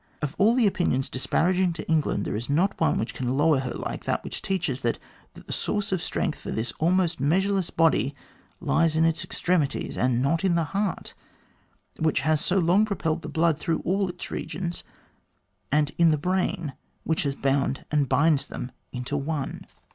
Of all the opinions disparaging to England, there is not one which can lower her like that which teaches that the source of strength for this almost measureless body lies in its extremities, and not in the heart which has so long propelled the blood through all its regions* and in the brain which has bound and binds them into one.